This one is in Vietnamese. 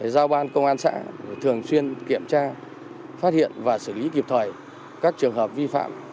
giao ban công an xã thường xuyên kiểm tra phát hiện và xử lý kịp thời các trường hợp vi phạm